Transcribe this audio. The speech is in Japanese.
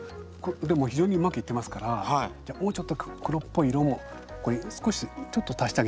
でも非常にうまくいってますからもうちょっと黒っぽい色もこれ少しちょっと足してあげてもいいですね。